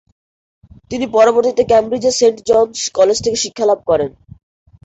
তিনি পরবর্তীতে কেমব্রিজের সেন্ট জনস কলেজ থেকে শিক্ষা লাভ করেন।